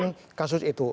membicara tentang kasus itu